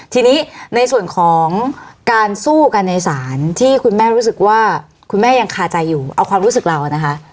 ทีนี้ในส่วนของการสู้กันในศาลที่คุณแม่รู้สึกว่าคุณแม่ยังคาใจอยู่เอาความรู้สึกเรานะคะ